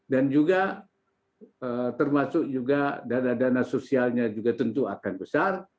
dan juga termasuk dana dana sosialnya juga tentu akan besar